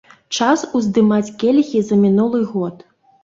Час уздымаць келіхі за мінулы год.